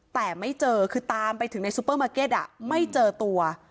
แต่ไม่เจอคือตามไปถึงในซูเปอร์มาร์เก็ตไม่เจอตัว